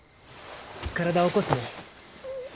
体起こすね。